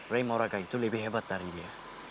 ray moraga itu lebih hebat dari dia